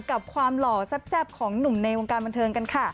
กับความหล่อแซ่บของหนุ่มในวงการบันเทิงกันค่ะ